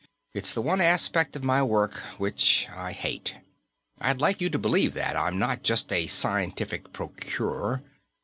It's the one aspect of my work which I hate. I'd like you to believe that I'm not just a scientific procurer.